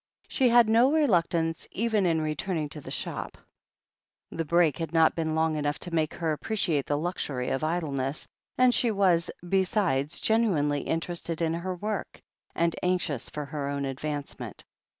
She had no reluctance even in returning to the shop. The break had not been long enough to make her appre ciate the luxury of idleness, and she was, besides, gen uinely interested in her work and anxious for her own advancement.